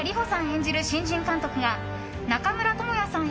演じる新人監督が中村倫也さん